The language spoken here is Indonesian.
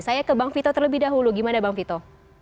saya ke bang vito terlebih dahulu gimana bang vito